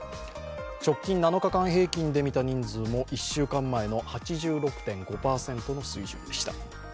直近７日間平均で見た人数も１週間前の８６．５％の水準でした。